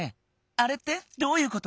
あれってどういうこと？